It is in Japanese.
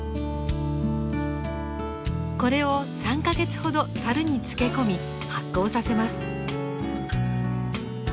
これを３か月ほど樽に漬け込み発酵させます。